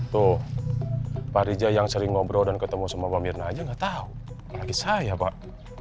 tuh pak rija yang sering ngobrol dan ketemu sama pak mirna aja nggak tahu lagi saya pak